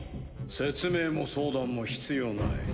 説明も相談も必要ない。